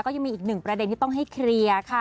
ก็ยังมีอีกหนึ่งประเด็นที่ต้องให้เคลียร์ค่ะ